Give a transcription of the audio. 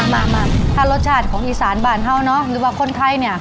มารสชาติของอิสานบ่านเท้าเนอะหรือแบบคนไทยเนี้ย